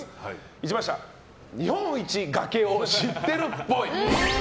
一番下日本一崖を知ってるっぽい。